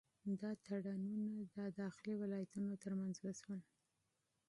دا تړونونه د داخلي ولایتونو ترمنځ وشول.